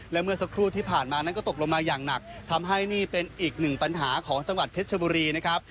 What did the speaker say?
และเมื่อสักครู่ที่ผ่านมานั้นก็ตกลงมาอย่างหนักทำให้นี่เป็นอีกหนึ่งปัญหาของจังหวัดเพชรชบุรีนะครับ